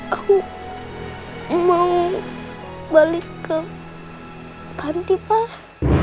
aku mau balik ke ganti pak